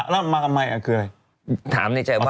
แล้วมาทำไมคืออะไร